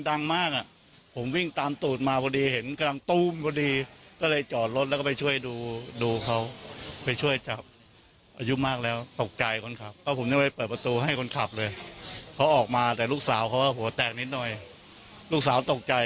ทั้งเชิงชักอยู่ตรงในนั้นเลยค่ะ